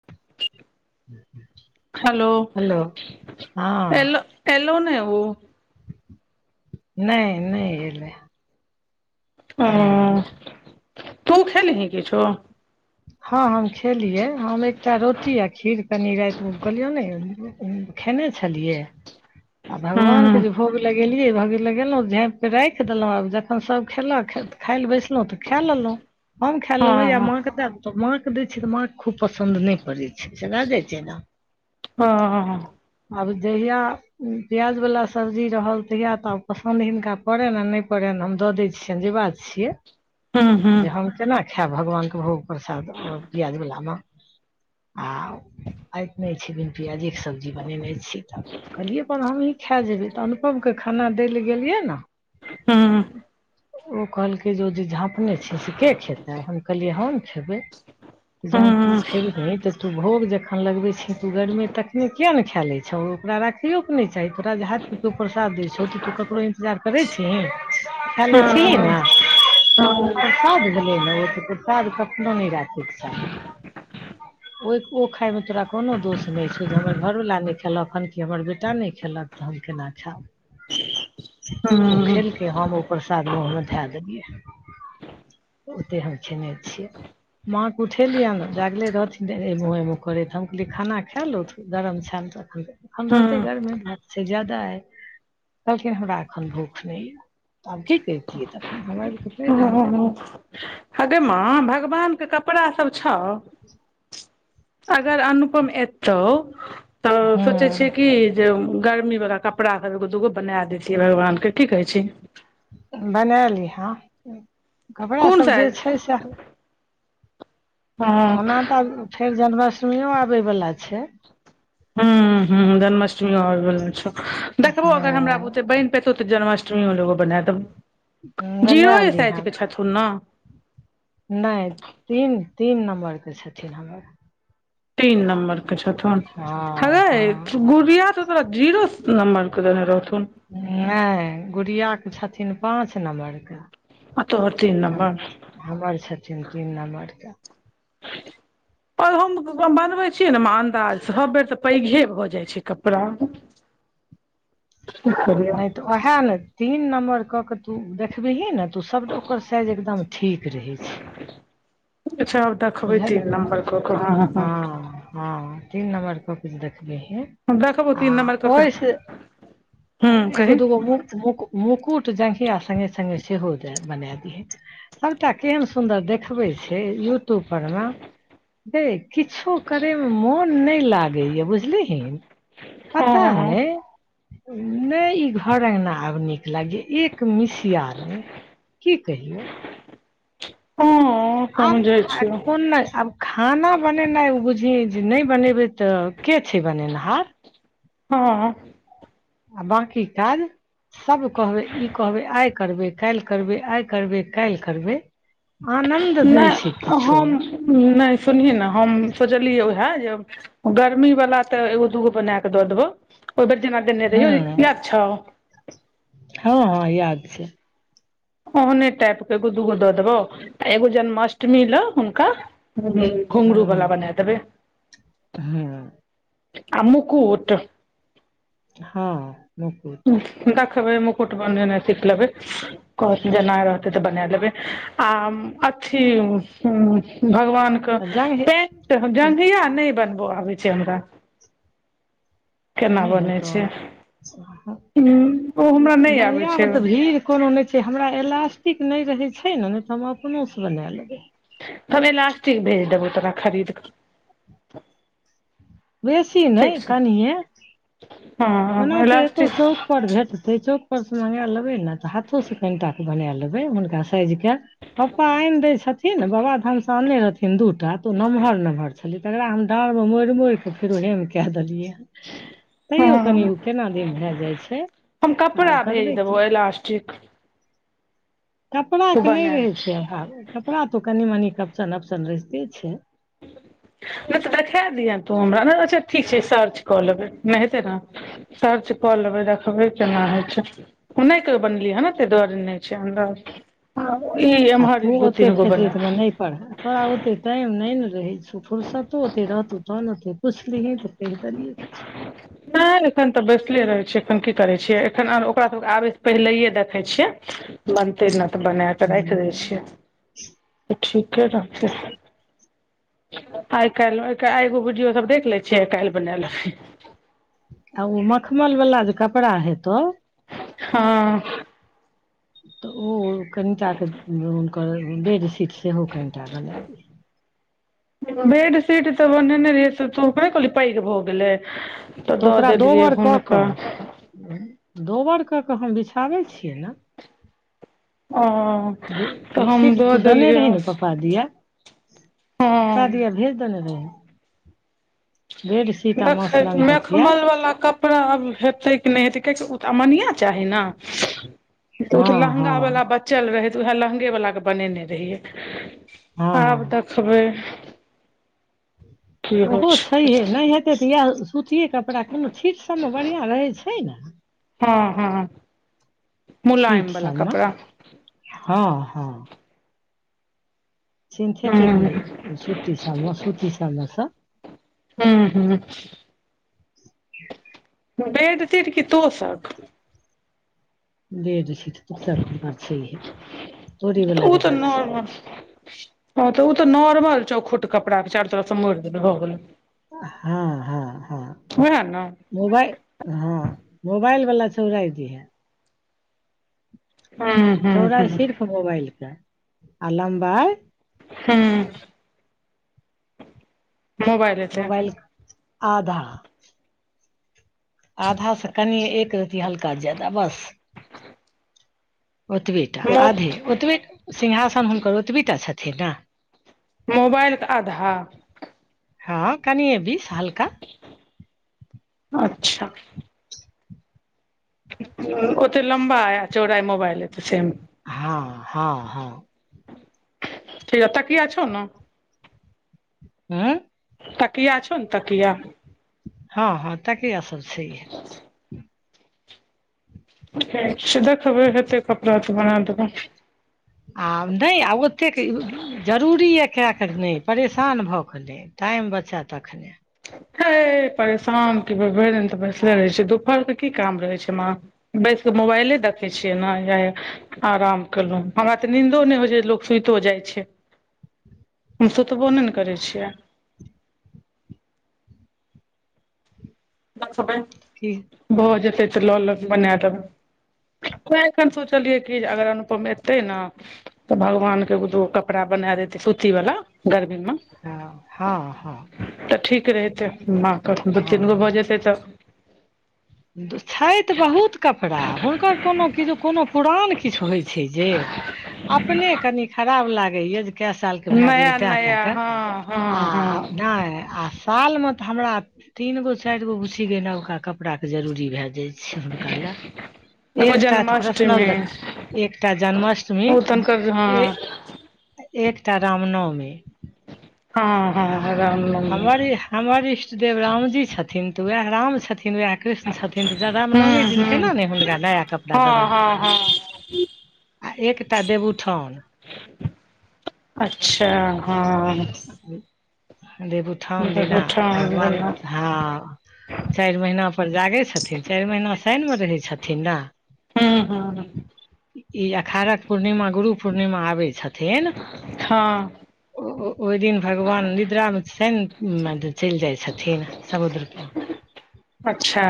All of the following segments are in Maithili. ह हेलो हँ एलो एलो नै ओ नहि नहि एलै नहि एलै ह तू खेलि ही किछो हँ हम खेलियै हम एकटा रोटी आ खीर कनि रातिमेलियौ ने खेने छेलियए आ भगवान के हँ जे भोग लैग जाय छे गेलियै भ गेल लगहुँ झाँपि के राखि देलहुँ आब जखन सभ खेलक खाय लए बैसलहुँ तऽ खाए लेलहुँ हमम खे हँ लेलऊं ये हँ मा के माँ के दै छै तऽ माँ खूब पसंद नहि पड़ैत छै से भए जाइत छै ने हँ आब जहिया प्याज बला सब्जी रहल तहिआ तऽ पसन्द हिनका पड़ेलेन नहि पड़ेलेन हम दऽ दै छियनि जे बात छियै हूँ हूँ जे हम केना खायब भगवानके भोग प्रसाद आ प्याज बलामे आव ऐठ नहि छै बिन पियाजेके सब्जी बनेने छी तब कहलियै अपन हमहीँ खाए जेबै तऽ अनुपमकेँ खाना दै लए गेलियै ने हँ ओ कहलकै जे ओ जे झाँपने छी से के खेतै हम कहलियै हन खेबै त जहन तू हूँ खेबही ते तू भोग जखैन लगवे छीे तू गरमे तखने किये ने खाय ले छै छौ ओकरा राखियोकके नहि चाही तोरा हतके केओ प्रसाद द छौ तू ककरो इन्तजार कर रिची कनी छीही हँ ने प्रसाद भेलै ने ओ तऽ प्रसाद कतनो नहि राखयके चाही ह ओहि ओ खायमे तोरा कोनो दोष नहि छौ जे हमर घरवला नहि खेलक, एखन कि हमर बेटा नहि खेलक। नवी के नक्षा [unintelligible] [inaudible] ओ खेलकै, हम ओ प्रसाद मुँहमे धऽ देलियै। ओते हम खेनै छियै। माँके उठेलियै ने, जागले रहथिन। एना-एना करैत रहथिन हम कहलियै खाना खा लिअ गरम छै। हम रहतै डरते, भात छै ज्यादा आय। कहलखिन हमरा एखन भूख नहि यऽ, तऽ आब की करितियै? तखन हम आब कऽ पैर एलहुँ। ऊं ऊं ऊं। हँगे माँ, भगवानके कपड़ा सब छो। अगर अनुपम एतौ तऽ सोचै छियै हूँ कि जे ग र्मी वला कपड़ा सभ एगो दूगो बना देतियै भगवान के की कहै छी? बना लिहँ, कपड़ा कोन जे साइज छै सेएह। हँ ओना तऽ फेर जन्माष्टमी सेहो आबय बला छै। हु हु, जन्माष्टमी आबय बला छौ, देखबौ अगर हमरा बुते हँ बनि पेतौ। हेतौ तऽ जन्माष्टमी मे लोगो बना देबौ जीरोए बनायली साइज हम के छथुन न। नहि, तीन तीन नम्बरके छथिन हमर। तीन नम्बरके छथुन। हँ गे गुड़िया, तऽ तोरा जीरो नम्बरके दे रहौथिन। नहि, गुड़ियाके छथिन पाँच नम्बरके। आ तोहर तीन नम्बर हमर छथिन तीन नम्बरके। [inaudible] आओर हम बनबै छियै ने, अन्दाज सभ बेर तऽ पैघे भऽ जाइ छै कपड़ा। की कहै छौ? नहि तऽ ओहिए ने तीन नम्बरके कऽ के तू देखबिही ने। तऽ ओ सभके साइज एकदम ठीक रहै छै। अच्छा, आब देखबै बुझलही तीन नम्बर। कऽ कऽ हँ हँ हँ तीन नम्बर कऽ के देखबे हेय। देखबौ आ तीन नम्बर कऽ कऽ ओइसँ हूं एगो कही दूगो मुक मुक। मुकुट जघिया संगहि संगहि से हो जा बनि दै छै। एकटा केहन सुन्दर देखबै छै यूट्यूबपर मे। गए किछु करैमे मोन नहि लागैए, बुझलिहिन। पता हँ नहि। नहि, ई घर अँगना आब नीक लागैए, एक मिसिया नहि। की कहियौ। हँ हँ। आम कोन नहि आड खाना बनेनाइ ओ बुझै जे नहि बनेबै तऽ के छै बनेनिहार। हँ। आ बाकी काज? सभ कहबै ई कहबै आइ करबै, काल्हि करबै, आइ करबै, काल्हि करबै। आनन्द नहि छै किछु। नहि, सुनही ने, हम सोचलियै ओहिए जे। गर्मीवालला तऽ एगो दूगो बना कऽ दऽ देबौ, ओहि बेर जेना देने हूँ दहिओ, याद छौ। हँ, हँ याद छै। ओहने टाइपके एगो दूगो दऽ देबौ, एगो जन्माष्टमी लेल हुनका। घुंघरू वाला बना हँ देबै हँ। आ मुकुत। हँ मुकुत। देखबै, मुकुट बनि जाय ने, सिख लेबै। कह, जेना रहतै तऽ बना लेबै आ अथी भगवान। जंग पेन्ट नहि जघिया नहि बनबो अबै छै हमरा। केना बनै छै। हूँ ओ हमरा नहि आबै भैया छै मे त भीड़। कोनो नहि छै, हमरा एलास्टिक नहि रहै छै ने, नहि तऽ हम अपनोसँ बना लेबै। हमरा एलास्टिक भेज देबौ, तऽ खरीद कऽ। बेसी नै ठीक छौ कनिये ओना हँ तऽ एतो इलास्टिक चौक पर भेट से चौक पर से मंगा लेबै ने तऽ हाथो से कनिटा के बना लेबै हुनका साइज के पप्पा आनि दै छथिन ने बाबाधाम से आनने रहथिन दूटा तऽ ओ नमहर नमहर छलियै तकरा हम डाँर मे मोड़ मोड़िकऽ फेरोहेम कदेलियै हँ तैयो क केना दिन भए जाइ छै हम आब कपड़ा भेज करबै देबौ कि इलास्टिक तू कपड़ाके नहि बनायल रहै छै आ कपड़ा तऽ ओ कनि मनीपशन अपप्शन रहिते छै नहि तऽ देखा दिहे तू हमरा ने अच्छा ठीक छै सर्च कऽ लेबै नहि हेतै ने सर्च कऽ लेबै देखबै केना होइ छै ओ नहि क बनलियै हँ नेते डर नहि छै अन्दर ह ई एमहर दु तीन गो वला थोरा ओते टाइम नहि ने रहै फुुरसतो ओते रहतौ तहन तु कु छली भी ह ततैलियए किछै नहि एखन तऽ बैसले रहै छियै एखन की करै छियै एखन ओकरा सभ आबैसँ पहिले देखै छियै बनते ने तऽ बना कऽ राखि किछु दै छियै तऽ ठीके रहतै आइ कालहि एगो वीडियो सब देख लै छियै आओर काल्हि बना लेछि ओ मखमल वाला जे कपड़ा हेतौ हँ तऽ ओ कनिटाके हुनकर बेडशीट सेहो कनिटा बना दिय बेडशीट तऽ बनेने रहि से तूे कहली पैघ भऽ गेलै तऽ दऽ ओकरा देलियै दोबर कऽ हुनका कऽ दोबर कऽ कऽ हम बिछाबै छियै ने ओ बे तऽ हम सिर् दऽ तू देने देलियै रहहि ने पप्पा दिया हँ पापा दिया भेज देने रहै देखै मसलंग तकिया मेखमल वला क कपङा आब हेतै कि नहि हेतै कियकि ओ तऽ अमनिया चाही ने ओ त हँ लहँंगा हँ बला बच्चा चल रहै तऽ उएह लहंगे वला के बनेने रहियै आब हँ देखबै की होइ ओहो छै है नहि ह एते तऽ इएह सूति कपड़ा कोनो छीट सबमे बढ़िआं रहै छै ने हँ हँ छीट मुलायम वाला सब मे कपड़ा हँ हँ सिन्थेटिक हूँ सुतीसमे सुती सममेसँ हँ हँ बेैड तिरकी तोसख बेडशीट तोसक हमर छैए तोरे बला ओ तऽ गंदा छै नॉर्मल हँ तऽ ओ तऽ नॉर्मल चौखूट कपड़ा विचारू तरफसँ मोरि द भऽ गेल हँ हँ हँ वएह ने मोबाइल हँ मोबाइल वालला चौड़इ जी है हँ चौड़ाइ सिर्फ मोबाइलके आ लम्बाई हु मोबाल आधा आधा स कनि एक रती हल्का जायदा बस ओतबे टा मो आधे ओतबे सिंहासन हुनकर ओतबे टा छथिन ने मोबाइल केऽ आधा हँ कनिये बीस हल्का अच्छा ओतऽ लमबा आय चौड़ाइ मोबइल ए तऽ सिम हँ हँ हँ ठीक ताकिया छ न हँ तकिया छौ ने तकिया हँ हँ ताकिया सब छयिए [inaudible] छै देखबै हतेक कपड़ा त बना देबे आ नहि आ ओतेक जरूरी यए कए क नहि परेशान भऽ क टाइम बचत तखनै हे परेशान भरि दिन तऽ बैसले रहै छै दुपहर के कि काम रहै छें माँ बैस कऽ मोबाइले देखै छियै ने या आराम केलहुँ हमरा तऽ निंदो नहि होइ छै लोक सुतो जाइ छै हम सुतबो नै ने करै छियै [unintelligible] कि भऽ जेतै तऽ लऽ लेबे बना देबै त एखन [unintelligible] सोचलियै कि अगर अनुपम एतै ने तऽ भगवान के द कपड़ा बना देते सूती वाला गर्मी मे हँ हँ हँ तऽ ठीक रहेतै माँ के दूगो तीन गो हँ भऽ जेतै तऽ छैत बहुत कपड़ा हुनकर कोनो किछ कोनो पुरान किछु होइ छै जे अपने कनी खराब लाग भए गेलै नया तैं क नया क हँ हँ हँ आ नहि आ साल मे तऽ हमरा तीन गो चारि गो गुछी गय नबका कपड़ा के जरूरी भए जाइ छै छै हुनका लै [unintelligible] एगो एकटा तऽ जन्माष्टमी प्रश्नल देख एकटा जन्माष्टमी ओ तनकर हँ एकटा रामनवमी हँ हँ रामनवमी हमर हमर इष्ट देेव रामजी छथिन तो वएह राम छथिन वएह कृष्ण छथिन तऽ रामनवमी हूँ दिन हूँ केना ने हुनका नया कपड़ा हँ देबेन हँ हँ आ एकटा देवउठान [unintelligible] अच्छा हँ देवउतठान दिना गोठाउन भगवान वला हां चारि महिना पर जागे छथिन चारि महिना शाइनमे रहै छथिन ना हँ हँ हॅ ई अखाड़क पूर्णिमा गुरु पूर्णिमा आबै छथिन हँ [unintelligible] ओ भगवान निद्रा मे सइन ने चलि जाइ छथिन समुद्रप [unintelligible] अच्छा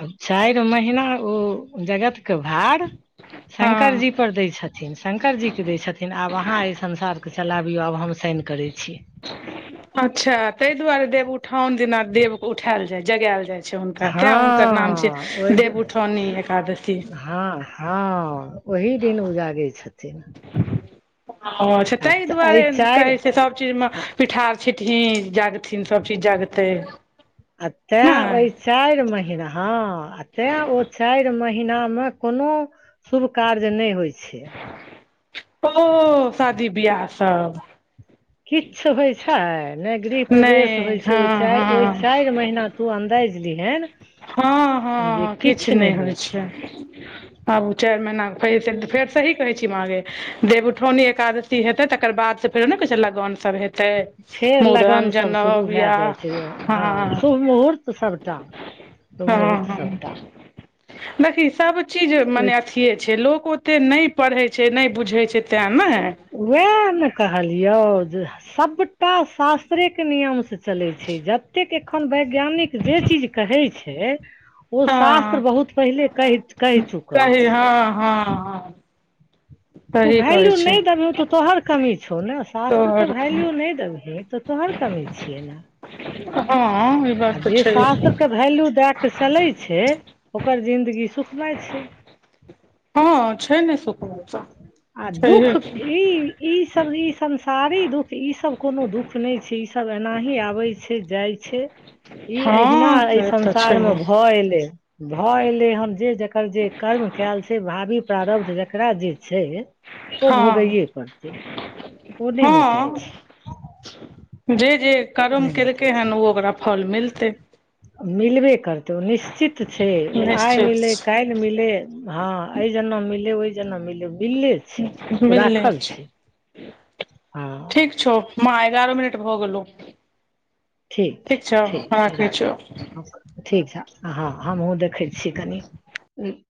आ चारि महिीना ओ जगत के भार [unintelligible] शंकर हँ जी पर दै छथिन शंकरजीके दै छथिन आब अहाँ एहि संसारके चलाबिय आब हम साइन करै छी [unintelligible] अच्छा ताहि दुआरे देवउठाओन दिन देवके उठायल जाय जगैल जाय छै छे हुनका तें हुनकर नाम छै हँ ओहि दिन देवउठौनी एकादशी हँ हँ ओहि दिन उ जागै छथिन हं अच्छा आ ताहि एहि दुआरे कहै चारि छै सभ चीजमे पिठार छिटही जा तै ओहि नहि चारि महिना हॅ आ तेँ ओ चारि महिनामे कोनो शुभ कार्य नहि होइ छै [unintelligible] ओ शादी बियाह सब किछु होइत छै ने गृह नहि प्रवेश होइत छै हँ ओहि चा ओहि हँ चारि महिना तु अन्दाजइज लिहेन हँ हँ किछु नहि होइ छै आब ओ चारि महीनाक फैर तऽ फेर सही कहे छी माॅ गे देव उठौनी एकाद हेते तकर बाद से फेर नै कहै छला लगन सब हेै फेर लगन सब शुरू भै जाइ छै हँ शुभ मुहूर्त सभटा हँ हँ देखी सब चीज ओहि मने अथी के छै लोक ओतेक नहि पढ़ै छै नहि बुझै छै तैँ नै वएह ने कहलियौ जे सबटा शास्त्रके नियम चलै छै जतेक एखन वैज्ञानिक जे चीज कहै छै ओ शास्त्र हँ बहुत पहिले कहि कहि चुकल सही छै हँ हँ हँ तू सही कहै वैल्यू छै नहि देबही तऽ तोहर कमी छौ ने शास्त्रके तोहर वैल्यू नहि देबही तऽ तोहर कमी छियै ने हँ आ बात तऽ जे छै शास्त्रके भैल्यू दए कऽ चलै छै ओकर जिंन्दगी सुखमय छै हँ छै ने सुख आ दुःख ई ईसभ ई संसारी दुःख ई सब कोनो दुःख नहि छै ईसभ एनाही आबै छै जाय छै ई एहिना हँ एहि से तऽ संसारमे छैहे भऽ एलै भऽ एलै हन जे जकर जे कर्म कयल छै भाभी प्रारब्ध जकरा जे छै ओ हँ भोगैेय पड़तै ओ नहि मेटाइ हँ छै जे जे ओ कर्म नहि मेटाइ केलकै छै हन ओ ओकरा फल मिलतै मिलबे करतै ओ निश्चित छै ओ आइ निश्चित मिलै काल्हि मिले हँ एहि जन्म मिले ओहि जन्म मिले बिल्ले छै ओ मिलले राखल छै हँ ठीक छौ मां एगारह मिनट भऽ गैलहु छै ठीक छौ छै राखै छौ राखू ठीक हँ हम हुँ देखैत छीय कनि